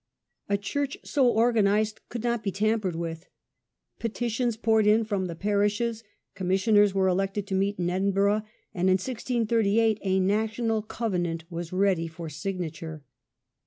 A church so organized could not be tampered with. Petitions poured in from the parishes, commissioners were elected to meet in Edinburgh, and in 1638 a National Covenant was ready for signature.